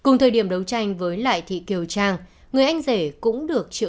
nói lên rằng bị can là người đấy